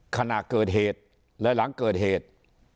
ขณะเกิดเหตุและหลังเกิดเหตุ